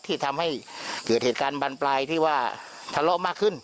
ที่ทำให้เกิดเหตุการณ์บานปลายที่ว่าทะเลาะมากขึ้น